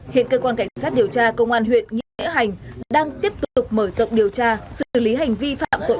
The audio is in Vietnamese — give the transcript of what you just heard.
hiện cơ quan cảnh sát điều tra công an huyện nghĩa hành đang tiếp tục mở rộng điều tra xử lý hành vi phạm tội